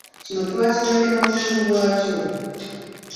Kino twakirabye n'obukulu bwakyo